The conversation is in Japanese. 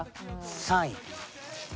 ３位。